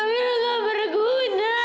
kamila nggak berguna